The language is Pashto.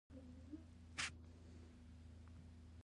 آزاد تجارت مهم دی ځکه چې خواړه تنوع زیاتوي.